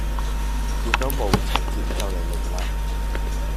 見到母親節就嚟嚟啦